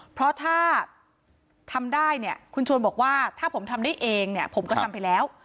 เพราะถ้าทำได้เนี่ยคุณชวนบอกว่าถ้าผมทำได้เองเนี่ยผมก็ทำไปแล้ว